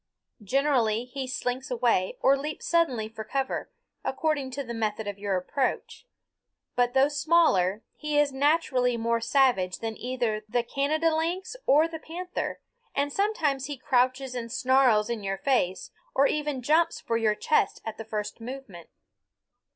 Generally he slinks away, or leaps suddenly for cover, according to the method of your approach. But though smaller he is naturally more savage than either the Canada lynx or the panther, and sometimes he crouches and snarls in your face, or even jumps for your chest at the first movement.